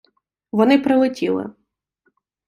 Вони прилетіли.